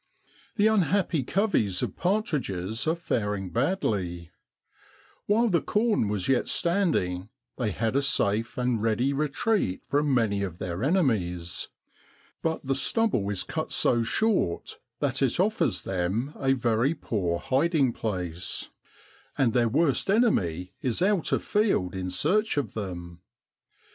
The unhappy coveys of partridges are faring badly; while the corn was yet standing they had a safe and ready re treat from many of their enemies, but the stubble is cut so short that it offers them DISCIPLES OF IZAAK WALTON. a very poor hiding place ; and their worst enemy is out afield in search of them.